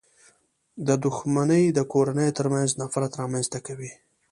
• دښمني د کورنيو تر منځ نفرت رامنځته کوي.